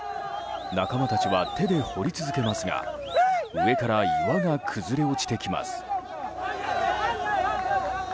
仲間たちは手で掘り続けますが上から岩が崩れ落ちてきます。